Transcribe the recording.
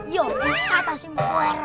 yuk kita atasi mbok